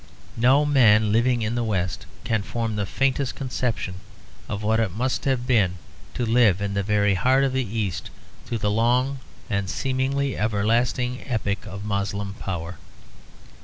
No man living in the West can form the faintest conception of what it must have been to live in the very heart of the East through the long and seemingly everlasting epoch of Moslem power.